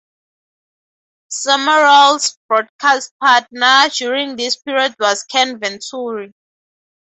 Summerall's broadcast partner during this period was Ken Venturi.